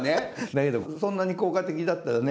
だけどそんなに効果的だったらね